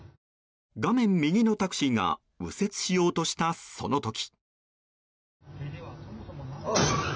画面右のタクシーが右折しようとしたその時。